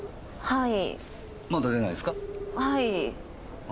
はい。